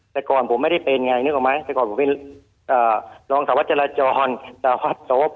แต่ก่อนผมไม่ได้เป็นไงนึกออกไหมแต่ก่อนผมเป็นรองสาวจราจรสว